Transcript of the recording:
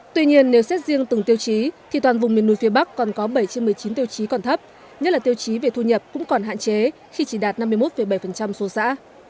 tuy nhiên nếu xét riêng từng tiêu chí thì toàn vùng miền núi phía bắc còn có bảy trên một mươi chín tiêu chí còn thấp nhất là tiêu chí về thu nhập cũng còn hạn chế khi chỉ đạt năm mươi một bảy số xã